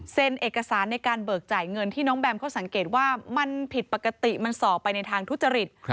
เอกสารในการเบิกจ่ายเงินที่น้องแบมเขาสังเกตว่ามันผิดปกติมันส่อไปในทางทุจริต